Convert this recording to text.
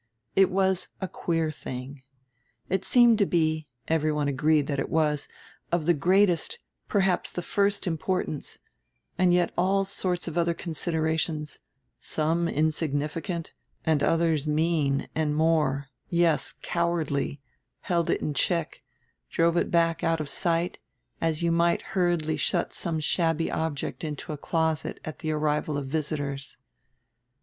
It was a queer thing. It seemed to be everyone agreed that it was of the greatest, perhaps the first, importance; and yet all sorts of other considerations, some insignificant and others mean and more, yes cowardly, held it in check, drove it back out of sight, as you might hurriedly shut some shabby object into a closet at the arrival of visitors.